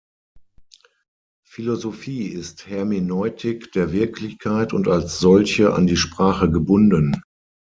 Philosophie ist Hermeneutik der Wirklichkeit und als solche an die Sprache gebunden.